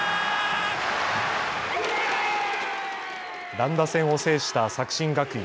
乱打戦を制した作新学院。